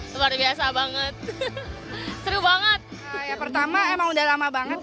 luar biasa banget seru banget ya pertama emang udah lama banget kan kita udah